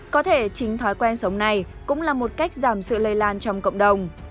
có thể chính thói quen sống này cũng là một cách giảm sự lây lan trong cộng đồng